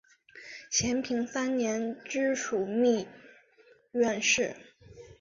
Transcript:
咸平三年知枢密院事。